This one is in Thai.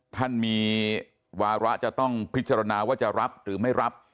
ท่านมีวาระจะต้องพิจารณาว่าจะรับหรือไม่รับ